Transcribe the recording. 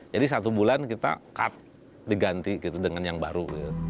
jadi satu bulan kita cut diganti gitu dengan yang baru